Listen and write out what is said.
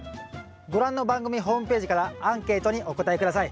ご覧の番組ホームページからアンケートにお答え下さい。